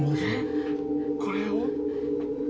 これを？